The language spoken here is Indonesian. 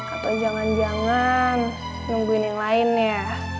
atau jangan jangan nungguin yang lain ya